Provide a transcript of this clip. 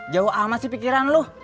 jauh sama sih pikiran lo